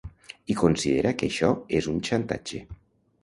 I considera que això és un xantatge.